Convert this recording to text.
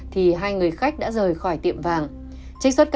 thì hai người khách đã rời khỏi tiệm vàng